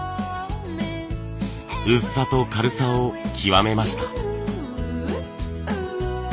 薄さと軽さを極めました。